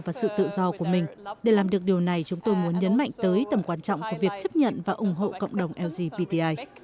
và sự tự do của mình để làm được điều này chúng tôi muốn nhấn mạnh tới tầm quan trọng của việc chấp nhận và ủng hộ cộng đồng lgpti